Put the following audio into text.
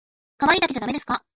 可愛いだけじゃだめですか？